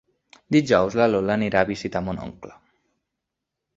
Dijous na Lola anirà a visitar mon oncle.